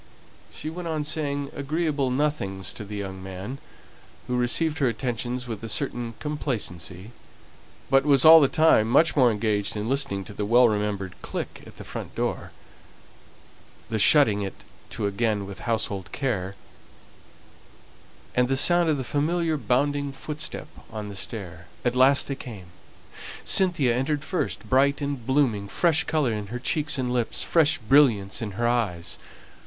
She went on saying agreeable nothings to the young man, who received her attentions with a certain complacency, but was all the time much more engaged in listening to the well remembered click at the front door, the shutting it to again with household care, and the sound of the familiar bounding footstep on the stair. At last they came. Cynthia entered first, bright and blooming, fresh colour in her cheeks and lips, fresh brilliance in her eyes.